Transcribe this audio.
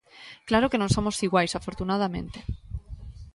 ¡Claro que non somos iguais, afortunadamente!